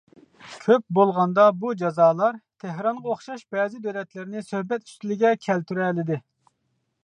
كۆپ بولغاندا بۇ جازالار تېھرانغا ئوخشاش بەزى دۆلەتلەرنى سۆھبەت ئۈستىلىگە كەلتۈرەلىدى.